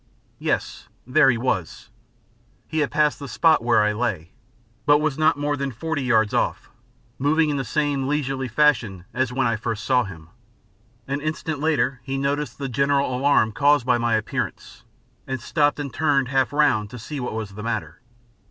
Yes, there he was; he had passed the spot where I lay, but was not more than forty yards off, moving in the same leisurely fashion as when I first saw him. An instant later, he noticed the general alarm caused by my appearance, and stopped and turned half round to see what was the matter.